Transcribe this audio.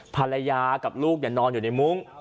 ภรรยากับลูกนอนอยู่ในมุ้ง